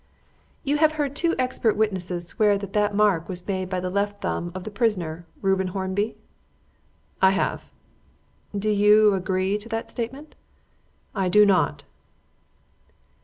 "You have heard two expert witnesses swear that that mark was made by the left thumb of the prisoner, Reuben Hornby?" "I have." "Do you agree to that statement?" "I do not."